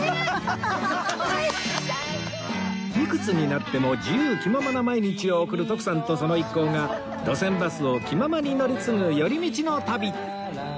いくつになっても自由気ままな毎日を送る徳さんとその一行が路線バスを気ままに乗り継ぐ寄り道の旅